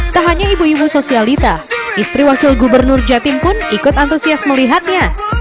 tak hanya ibu ibu sosialita istri wakil gubernur jatim pun ikut antusias melihatnya